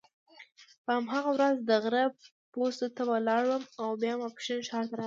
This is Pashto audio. په هماغه ورځ د غره پوستو ته ولاړم او بیا ماپښین ښار ته راغلم.